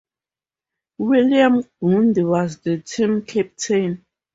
William Gundy was the team captain.